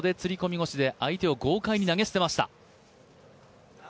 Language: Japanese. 腰で相手を豪快に投げ捨てました。